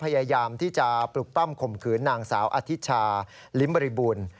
พยายามที่จะปลุกปั้มข่มขืนนางสาวอธิชาลิ้มบริบุญ